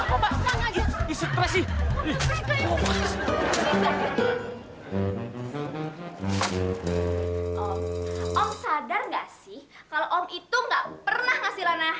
oh surprise spesial buat lana